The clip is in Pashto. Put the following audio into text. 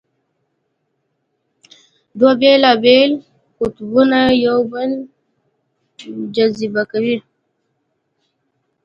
دوه بېلابېل قطبونه یو بل جذبه کوي.